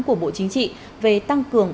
của bộ chính trị về tăng cường